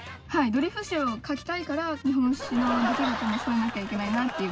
ドリフ史を書きたいから日本史の出来事も添えなきゃいけないなっていう。